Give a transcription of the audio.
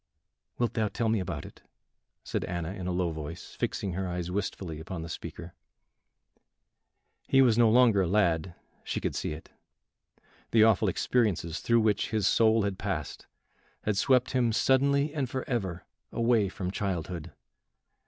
"Wilt thou tell me about it?" said Anna, in a low voice, fixing her eyes wistfully upon the speaker. He was no longer a lad, she could see it; the awful experiences through which his soul had passed had swept him suddenly and forever away from childhood.